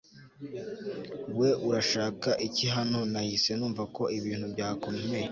we urashaka iki hano nahise numva ko ibintu byakome